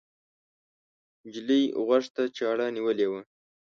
نجلۍ غوږ ته چاړه نیولې وه.